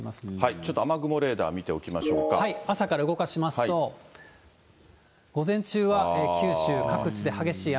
ちょっと雨雲レーダー、朝から動かしますと、午前中は九州各地で激しい雨。